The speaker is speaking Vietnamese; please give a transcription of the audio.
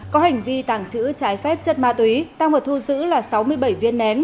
có hành vi tàng trữ trái phép chất ma túy tăng vật thu giữ là sáu mươi bảy viên nén